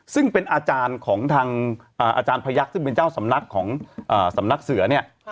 ซึ่งเป็นอาจารย์ของทางอาจารย์พยักษ์ซึ่งเป็นเจ้าสำนักของสำนักเสือเนี่ย